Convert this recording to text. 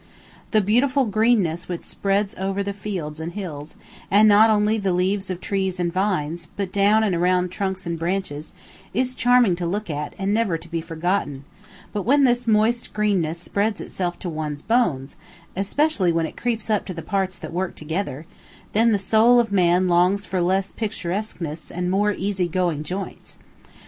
The beautiful greenness which spreads over the fields and hills, and not only the leaves of trees and vines, but down and around trunks and branches, is charming to look at and never to be forgotten; but when this moist greenness spreads itself to one's bones, especially when it creeps up to the parts that work together, then the soul of man longs for less picturesqueness and more easy going joints.